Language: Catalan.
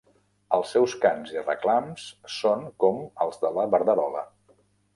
Els seus cants i reclams són com els de la verderola.